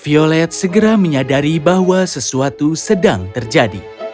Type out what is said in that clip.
violet segera menyadari bahwa sesuatu sedang terjadi